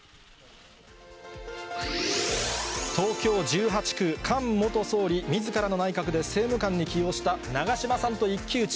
東京１８区、菅元総理みずからの内閣で政務官に起用した長島さんと一騎打ち。